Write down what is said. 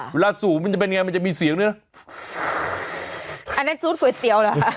ค่ะเวลาสูบมันจะเป็นยังไงมันจะมีเสียงเนี้ยอันนั้นซูตก๋วยเตี๋ยวหรอ